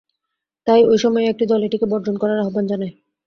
তাই ওই সময় একটি দল এটিকে বর্জন করার আহ্বান জানায়।